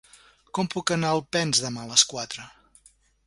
Com puc anar a Alpens demà a les quatre?